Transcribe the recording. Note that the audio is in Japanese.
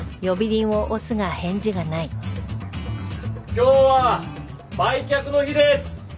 今日は売却の日です。